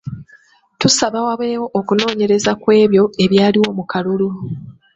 Tusaba wabeewo okunoonyereza ku ebyo byonna ebyaliwo mu kalulu.